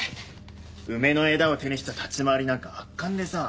梅の枝を手にした立ち回りなんか圧巻でさ。